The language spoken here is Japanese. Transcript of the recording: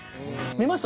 見ました？